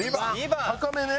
高めね。